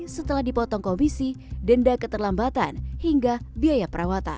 setelah dipotong komisi denda keterlambatan hingga biaya perawatan